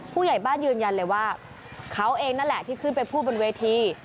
ผู้ใหญ่บ้านยืนยันเลยว่าเขาเองนั่นแหละที่ขึ้นไปพูดบนเวที